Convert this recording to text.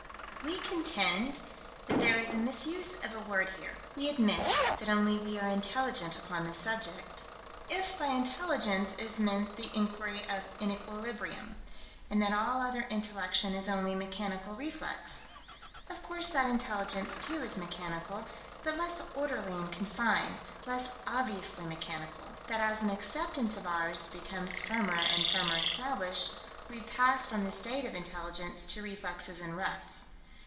We contend that there is a misuse of a word here: we admit that only we are intelligent upon this subject, if by intelligence is meant the inquiry of inequilibrium, and that all other intellection is only mechanical reflex of course that intelligence, too, is mechanical, but less orderly and confined: less obviously mechanical that as an acceptance of ours becomes firmer and firmer established, we pass from the state of intelligence to reflexes in ruts.